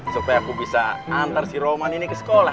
supaya aku bisa antar si roman ini ke sekolah